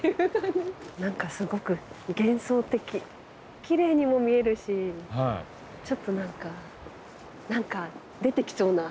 何かすごく幻想的きれいにも見えるしちょっと何か出てきそうな。